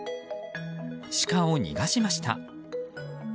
シカを逃がしました。